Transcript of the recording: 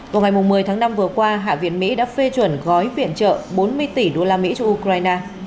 vào ngày một mươi tháng năm vừa qua hạ viện mỹ đã phê chuẩn gói viện trợ bốn mươi tỷ usd cho ukraine